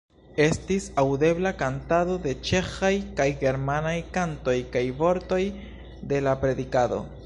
Estis aŭdebla kantado de ĉeĥaj kaj germanaj kantoj kaj vortoj de la predikado.